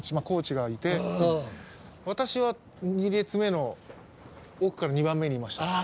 コーチがいて私は２列目の奥から２番目にいました